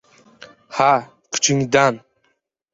— Ha, kuchingdan!